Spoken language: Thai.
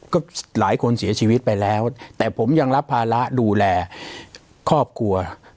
ก็หลายคนเสียชีวิตไปแล้ว